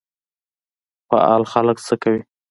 فعال خلک څه کوي؟